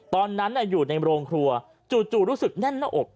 ตอนนั้นอยู่ในโรงครัวจู่รู้สึกแน่นหน้าอก